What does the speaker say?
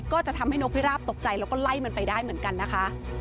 ก็จะทำให้นกพิราบตกใจแล้วก็ไล่มันไปได้เหมือนกันนะคะ